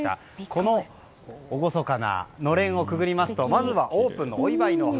この厳かなのれんをくぐりますとまずはオープンのお祝いの花。